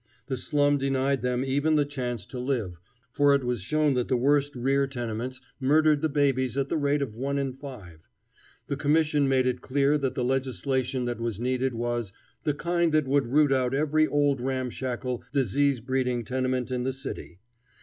The slum denied them even the chance to live, for it was shown that the worst rear tenements murdered the babies at the rate of one in five. The Commission made it clear that the legislation that was needed was "the kind that would root out every old ramshackle disease breeding tenement in the city."